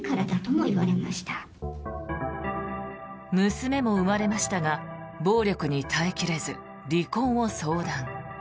娘も生まれましたが暴力に耐え切れず離婚を相談。